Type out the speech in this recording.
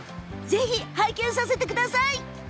ぜひ、拝見させてください！